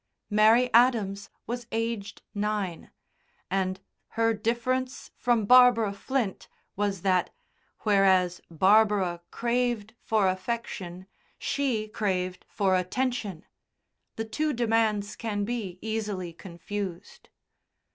Mary Adams was aged nine, and her difference from Barbara Flint was that, whereas Barbara craved for affection, she craved for attention: the two demands can be easily confused.